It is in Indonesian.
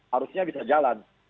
harusnya bisa jalan